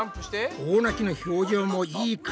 大泣きの表情もいい感じ。